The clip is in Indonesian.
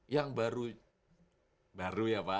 yang baru ya pak